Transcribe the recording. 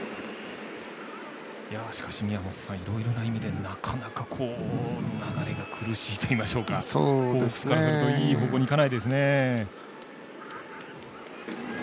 しかし、宮本さんいろいろな意味でなかなか流れが苦しいといいましょうかホークスからするといい方向にいかないですね。